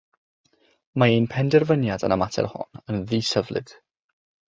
Mae ein penderfyniad yn y mater hwn yn ddisyflyd.